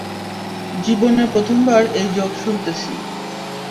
জীবনে প্রথমবার এই জোক শুনতেছি।